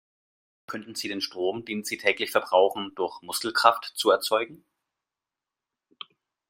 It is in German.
Könnten Sie den Strom, den Sie täglich verbrauchen, durch Muskelkraft zu erzeugen?